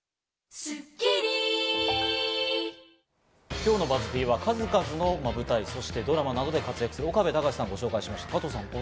今日のＢＵＺＺ−Ｐは数々の舞台、ドラマなどで活躍する岡部たかしさんをご紹介しました。